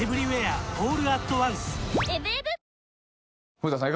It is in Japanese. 古田さん